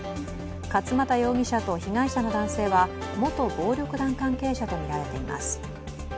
勝又容疑者と被害者の男性は元暴力団関係者とみられています。